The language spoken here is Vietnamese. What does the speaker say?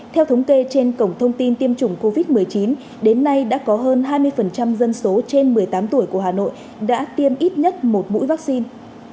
theo thống kê trên cổng thông tin tiêm chủng covid một mươi chín đến nay đã có hơn hai mươi dân số trên một mươi tám tuổi của hà nội đã tiêm ít nhất một mũi vaccine